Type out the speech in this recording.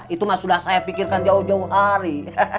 itu sudah saya pikirkan jauh jauh hari